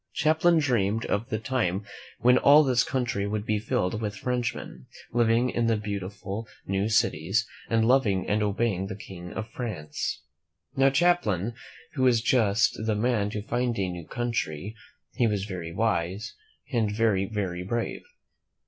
Champlain dreamed of the time when all this country would be filled with Frenchmen, living in beautiful new cities, and loving and obeying the King of France. Now, Champlain was just the man to find a new country. He was very wise, and very, very brave.